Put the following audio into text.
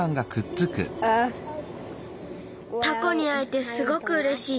タコにあえてすごくうれしい。